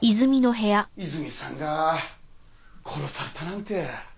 いずみさんが殺されたなんて。